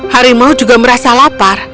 harimau juga merasa lapar